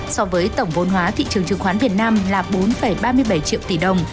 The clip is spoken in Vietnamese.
so với tổng vốn hóa thị trường chứng khoán việt nam là bốn ba mươi bảy triệu tỷ đồng